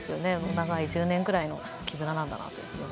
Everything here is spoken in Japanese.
長い１０年くらいの絆なんだなと。